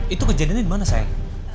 itu kejadiannya dimana sayang